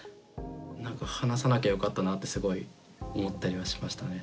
話さなきゃよかったなってすごい思ったりはしましたね